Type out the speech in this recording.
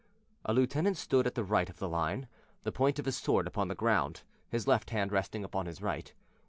A lieutenant stood at the right of the line, the point of his sword upon the ground, his left hand resting upon his right.